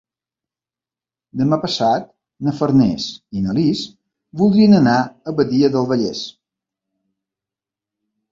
Demà passat na Farners i na Lis voldrien anar a Badia del Vallès.